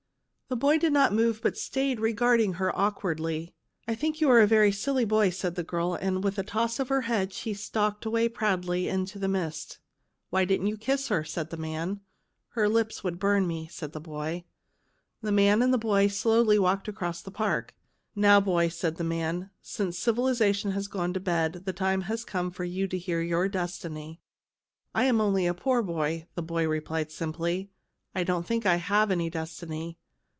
The boy did not move, but stayed regarding her awkwardly. " I think you are a very silly boy," said the girl, with a toss of her head, and she stalked away proudly into the mist. "Why didn't you kiss her?" asked the man. " Her lips would burn me," said the boy. The man and the boy walked slowly across the park. " Now, boy," said the man, " since civilisa tion has gone to bed the time has come for you to hear your destiny." 164 CHILDREN OF THE MOON " I am only a poor boy," the boy replied simply. " I don't think I have any destiny."